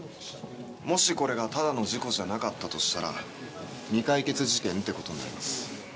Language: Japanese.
もしこれがただの事故じゃなかったとしたら未解決事件って事になります。